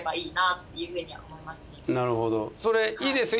なるほどそれいいですよ